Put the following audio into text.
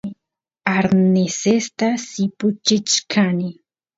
arnesesta sipuchichkani